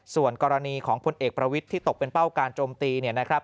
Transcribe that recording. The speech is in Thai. ส่วนกรณีของพลเอกประวิทย์ที่ตกเป็นเป้าการโจมตีเนี่ยนะครับ